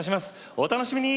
お楽しみに。